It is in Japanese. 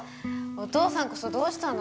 お父さんこそどうしたの？